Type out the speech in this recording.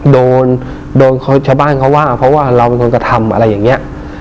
โดนโดนชาวบ้านเขาว่าเพราะว่าเราเป็นคนกระทำอะไรอย่างนี้